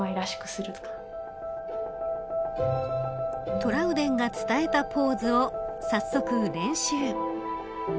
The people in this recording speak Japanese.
トラウデンが伝えたポーズを早速、練習。